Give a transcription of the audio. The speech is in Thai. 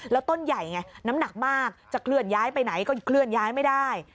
แล้วต้นใหญ่ไงน้ำหนักมากจะเคลื่อนย้ายไปไหนก็เคลื่อนย้ายไม่ได้